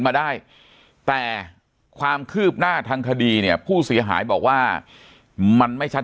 มาได้แต่ความคืบหน้าทางคดีเนี่ยผู้เสียหายบอกว่ามันไม่ชัด